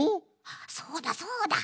そうだそうだ！